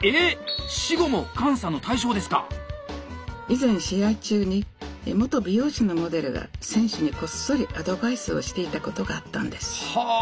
以前試合中に元美容師のモデルが選手にこっそりアドバイスをしていたことがあったんです。はあ！